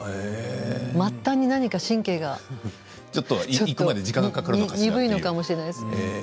末端の何か神経が鈍いのかもしれないですね。